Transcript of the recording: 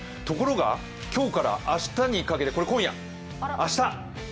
ところが、今日から明日にかけて、これは今夜、明日！